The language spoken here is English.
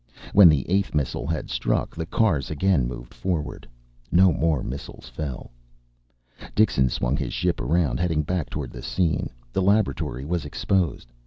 When the eighth missile had struck, the cars again moved forward. No more missiles fell. Dixon swung his ship around, heading back toward the scene. The laboratory was exposed.